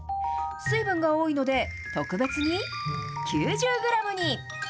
水分が多いので、特別に９０グラムに。